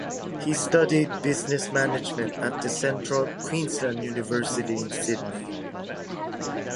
He studied business management at the Central Queensland University in Sydney.